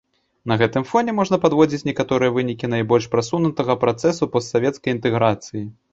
На гэтым фоне можна падводзіць некаторыя вынікі найбольш прасунутага працэсу постсавецкай інтэграцыі.